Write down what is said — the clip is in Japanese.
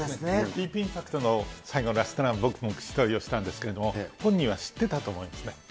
ディープインパクトの最後のラストラン、僕もしたんですけれども、本人は知ってたと思いますね。